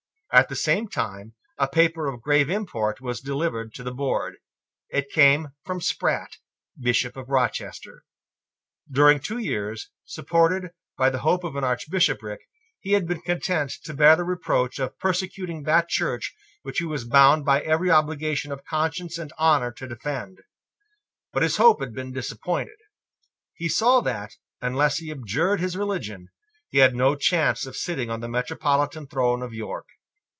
At the same time a paper of grave import was delivered to the board. It came from Sprat, Bishop of Rochester. During two years, supported by the hope of an Archbishopric, he had been content to bear the reproach of persecuting that Church which he was bound by every obligation of conscience and honour to defend. But his hope had been disappointed. He saw that, unless he abjured his religion, he had no chance of sitting on the metropolitan throne of York.